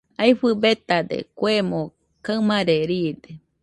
Aɨfɨ betade, kuemo kaɨmare riide.